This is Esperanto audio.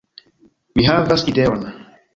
Mi havas ideon!